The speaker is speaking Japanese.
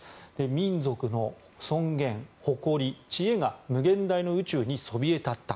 民族の尊厳、誇り、知恵が無限大の宇宙にそびえたった。